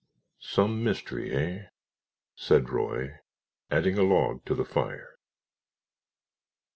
"Some mystery, hey?" said Roy, adding a log to the fire.